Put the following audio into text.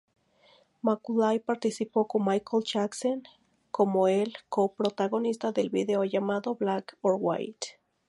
Macaulay participó con Michael Jackson como el co-protagonista del vídeo llamado "Black or White".